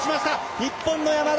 日本の山田。